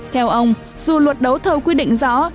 theo ông dù luật đấu thầu quy định rõ